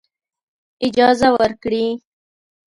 اجازه ورکړي.